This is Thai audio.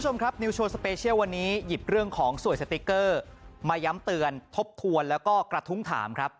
วันนี้ยิดเรื่องของสวยสติ๊กเกอร์มาย้ำเตือนทบทวนแล้วก็กระทุ้งถามครับ